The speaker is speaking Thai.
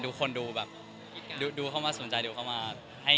ทุกคนดูแบบดูเข้ามาสนใจดูเข้ามา